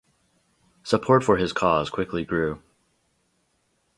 Support for his cause quickly grew.